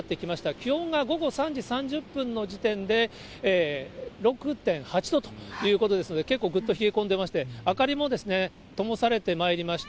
気温が午後３時３０分の時点で６．８度ということですので、結構ぐっと冷え込んでまして、明かりもともされてまいりました。